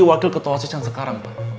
wakil ketua asis yang sekarang pak